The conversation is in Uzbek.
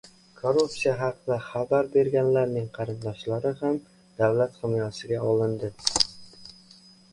Korrupsiya haqida xabar berganlarning qarindoshlari ham davlat himoyasiga olinadi